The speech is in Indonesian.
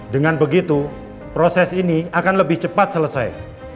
dengan begitu proses ini akan lebih cepat selesai